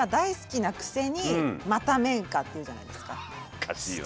おかしいよな。